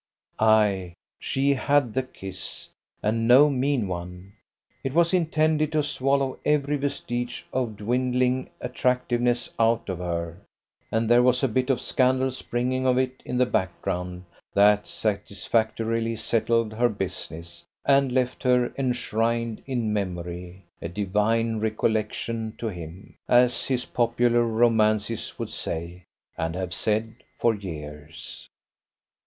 Ay, she had the kiss, and no mean one. It was intended to swallow every vestige of dwindling attractiveness out of her, and there was a bit of scandal springing of it in the background that satisfactorily settled her business, and left her 'enshrined in memory, a divine recollection to him,' as his popular romances would say, and have said for years.